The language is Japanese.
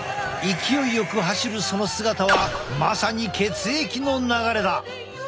勢いよく走るその姿はまさに血液の流れだ！